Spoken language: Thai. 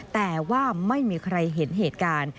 แต่ว่าไม่มีใครเห็นเหตุการณ์